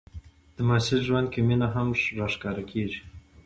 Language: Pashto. د محصل ژوند کې مینه هم راښکاره کېږي.